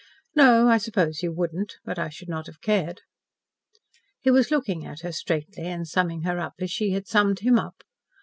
"No, I suppose you wouldn't. But I should not have cared." He was looking at her straightly and summing her up as she had summed him up.